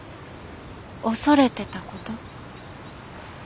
恐れてたこと？